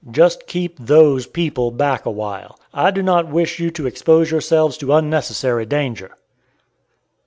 Just keep those people back awhile. I do not wish you to expose yourselves to unnecessary danger."